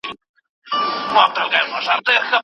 خلګ د سود له لاري د مال ګټلو هڅه کوي.